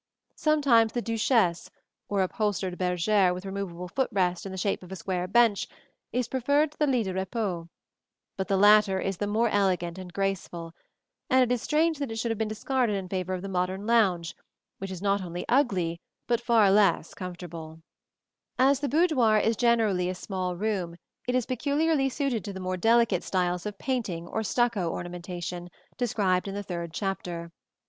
Sometimes the duchesse, or upholstered bergère with removable foot rest in the shape of a square bench, is preferred to the lit de repos; but the latter is the more elegant and graceful, and it is strange that it should have been discarded in favor of the modern lounge, which is not only ugly, but far less comfortable. [Illustration: PLATE XXXIX. LIT DE REPOS, LOUIS XV PERIOD.] As the boudoir is generally a small room, it is peculiarly suited to the more delicate styles of painting or stucco ornamentation described in the third chapter.